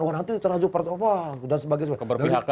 wah nanti terlanjur percobaan dan sebagainya